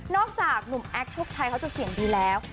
จากหนุ่มแอคโชคชัยเขาจะเสียงดีแล้ว